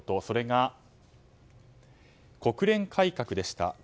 それが、国連改革でした。